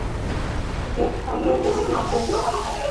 দেখাও না, এখানেই দেখাও।